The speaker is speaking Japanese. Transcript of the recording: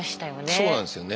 そうなんですよね。